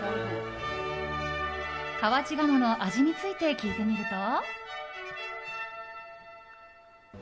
河内鴨の味について聞いてみると。